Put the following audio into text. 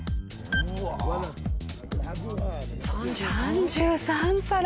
３３皿！